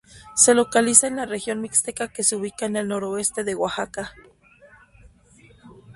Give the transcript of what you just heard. Se localiza en la región mixteca que se ubica en el noroeste de Oaxaca.